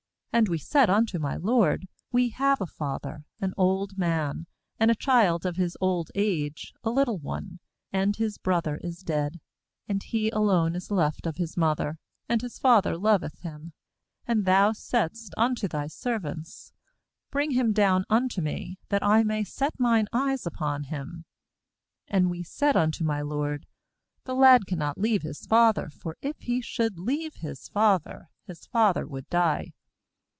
,20And we said unto my lord: We have a father, an old man, and a child of his old age, a little one; and his brother is dead, and he alone is left of his mother, and his father loveth him. 21And thou saidst unto thy servants: Bring him down unto me, that I may set mine eyes upon him. ^And we said unto my lord: The lad cannot leave his father; for if he should leave his father, his father would die.